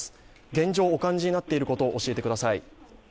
現状、お感じになっていること教えてください。